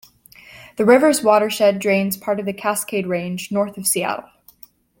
The river's watershed drains part of the Cascade Range north of Seattle.